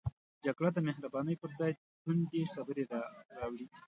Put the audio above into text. جګړه د مهربانۍ پر ځای توندې خبرې راوړي